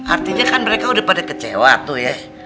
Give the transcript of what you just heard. artinya kan mereka udah pada kecewa tuh ya